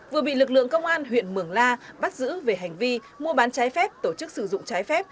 vừa bị lực lượng công an huyện mường la bắt giữ về hành vi mua bán trái phép tổ chức sử dụng trái phép